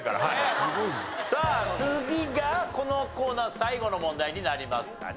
さあ次がこのコーナー最後の問題になりますかね。